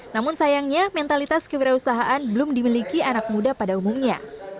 namun sayangnya mentalitas kewirausahaan belum dimiliki anak muda pada umumnya